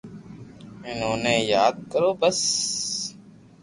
ھين اوني ياد ڪرو بس